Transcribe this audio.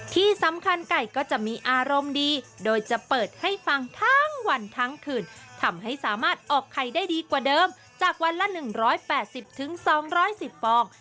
ที่สำคัญไก่ก็จะมีอารมณ์ดีโดยจะเปิดให้ฟังทั้งวันทั้งคืนทำให้สามารถออกไข่ได้ดีกว่าเดิมจากวันละ๑๘๐๒๑๐ฟอง